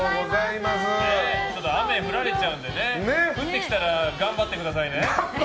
雨に降られちゃうので降ってきたら頑張ってくださいね。